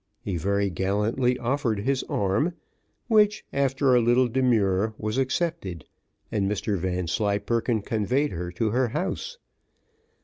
He very gallantly offered his arm which, after a little demur, was accepted, and Mr Vanslyperken conveyed her to her house.